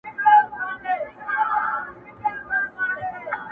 ور پسې وه د خزان وحشي بادونه!.